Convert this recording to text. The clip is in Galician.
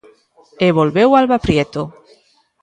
E volveu Alba Prieto.